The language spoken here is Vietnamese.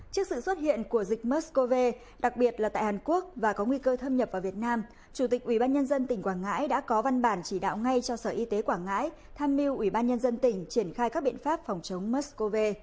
trước sự xuất hiện của dịch mers cov đặc biệt là tại hàn quốc và có nguy cơ thâm nhập vào việt nam chủ tịch ubnd tỉnh quảng ngãi đã có văn bản chỉ đạo ngay cho sở y tế quảng ngãi tham mưu ubnd tỉnh triển khai các biện pháp phòng chống mers cov